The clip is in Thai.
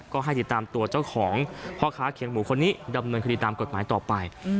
ก็ให้ติดตามตัวเจ้าของพ่อค้าเขียงหมูคนนี้ดำเนินคดีตามกฎหมายต่อไป